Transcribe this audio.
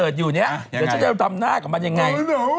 จะไปทำหน้ากับมันยังไง